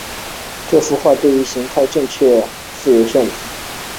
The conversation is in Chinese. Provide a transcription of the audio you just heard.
这幅画作对于各种形态的几乎正确描绘性使其负有盛名。